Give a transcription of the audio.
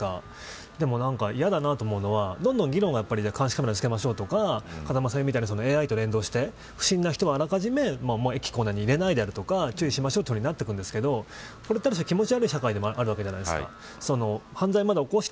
でも嫌だなと思うのはどんどん議論が監視カメラをつけましょうとか風間さんが言ったみたいにＡＩと連動して不審な人はあらかじめ駅構内に入れないであるとか注意しましょうとなってくるんですがこれは気持ちが悪い社会であるわけじゃないですか。